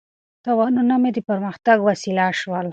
تاوانونه مې د پرمختګ وسیله شول.